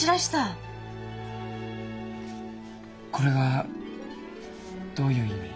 これがどういう意味？